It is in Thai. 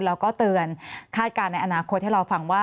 แล้วก็เตือนคาดการณ์ในอนาคตให้เราฟังว่า